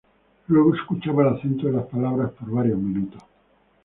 Luego escuchaba el acento de las palabras por varios minutos.